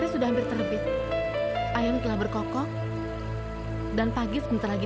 sumbi keluar kau sumbi